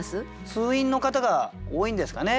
通院の方が多いんですかね。